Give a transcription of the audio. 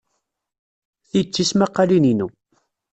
Ti d tismaqqalin-inu.